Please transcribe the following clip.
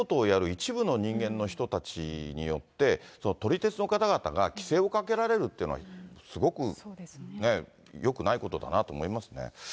一部の人間の人たちによって、撮り鉄の方々が規制をかけられるっていうのは、すごくよくないことだなと思いますね。